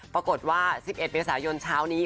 ปรากฏว่า๑๑เมษายนเช้านี้